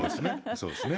そうですね。